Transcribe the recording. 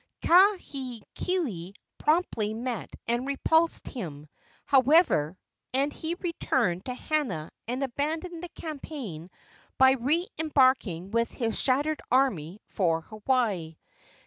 Kahekili promptly met and repulsed him, however, and he returned to Hana and abandoned the campaign by re embarking with his shattered army for Hawaii.